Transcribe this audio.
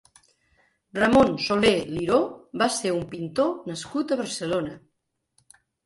Ramón Soler Liró va ser un pintor nascut a Barcelona.